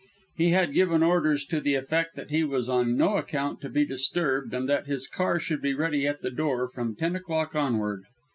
He had given orders to the effect that he was on no account to be disturbed and that his car should be ready at the door from ten o'clock onward.